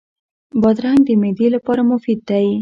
بادرنګ د معدې لپاره مفید دی.